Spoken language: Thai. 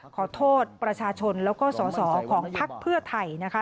ขอโทษประชาชนแล้วก็สอสอของพักเพื่อไทยนะคะ